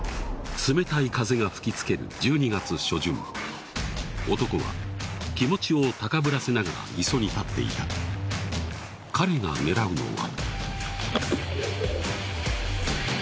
冷たい風が吹きつける１２月初旬男は気持ちを高ぶらせながら磯に立っていた彼が狙うのは